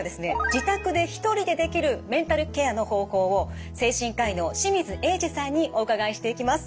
自宅で一人でできるメンタルケアの方法を精神科医の清水栄司さんにお伺いしていきます。